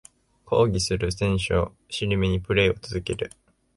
抗議する選手を尻目にプレイを続ける